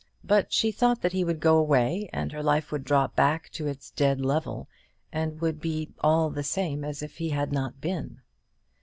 But she thought that he would go away, and her life would drop back to its dead level, and would be "all the same as if he had not been."